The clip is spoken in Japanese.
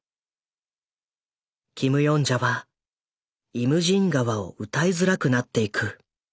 キム・ヨンジャは「イムジン河」を歌いづらくなっていく。